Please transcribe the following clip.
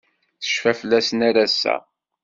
Tecfa fell-asen ar ass-a.